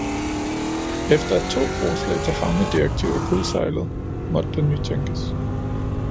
Efter at to forslag til havnedirektiv er kuldsejlet, måtte der nytænkes.